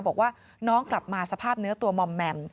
บอกว่าน้องกลับมาสภาพเนื้อตัวมอมแมม